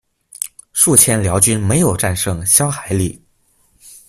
数千辽军没有战胜萧海里。